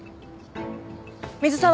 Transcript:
水沢。